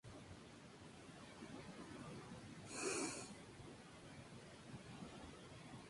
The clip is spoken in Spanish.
Entre los invertebrados encontramos muchos casos de dimorfismo sexual.